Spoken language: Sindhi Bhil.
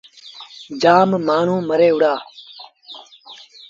جآم مآڻهوٚݩ مري وُهڙآ۔